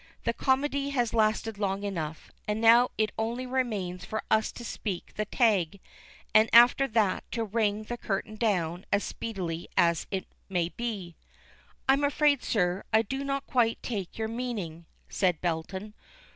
"The comedy has lasted long enough, and now it only remains for us to speak the tag, and after that to ring the curtain down as speedily as may be." "I am afraid, sir, I do not quite take your meaning," said Belton.